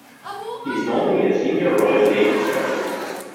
He is normally a senior Royal Navy surgeon.